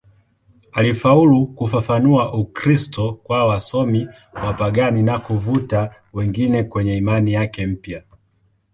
Alifaulu kufafanua Ukristo kwa wasomi wapagani na kuvuta wengi kwenye imani yake mpya.